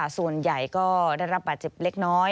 ส่วนใหญ่ก็ได้รับบาดเจ็บเล็กน้อย